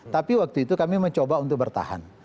tapi waktu itu kami mencoba untuk bertahan